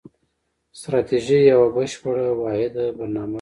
ستراتیژي یوه بشپړه واحده برنامه ده.